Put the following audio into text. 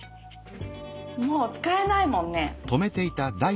もう使えないもんねパスが。